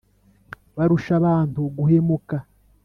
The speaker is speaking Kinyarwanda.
barusha abantu guhemuka !